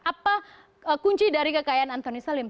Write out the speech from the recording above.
apa kunci dari kekayaan antoni salim